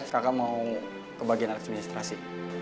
kakak mau ke bagian administrasi